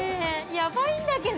ヤバいんだけど。